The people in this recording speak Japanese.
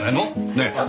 ねえ。